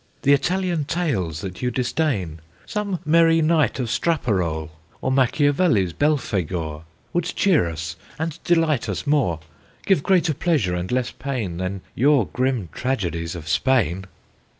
The Italian Tales that you disdain, Some merry Night of Straparole, Or Machiavelli's Belphagor, Would cheer us and delight us more, Give greater pleasure and less pain Than your grim tragedies of Spain!"